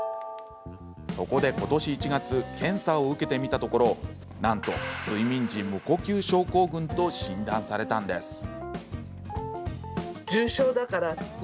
そこで、ことし１月検査を受けてみたところなんと睡眠時無呼吸症候群と診断されたんです。